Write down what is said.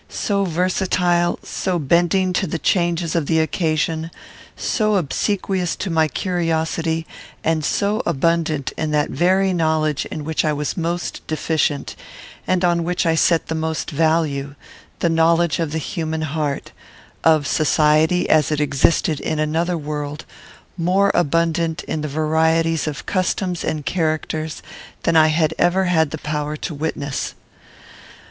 So versatile; so bending to the changes of the occasion; so obsequious to my curiosity, and so abundant in that very knowledge in which I was most deficient, and on which I set the most value, the knowledge of the human heart; of society as it existed in another world, more abundant in the varieties of customs and characters, than I had ever had the power to witness.